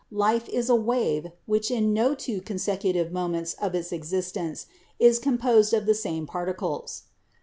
Life is a wave which in no two consecutive moments of its existence is composed of the same particles.